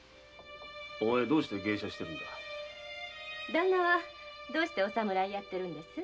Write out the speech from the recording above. ダンナはどうしてお侍をやってるんです？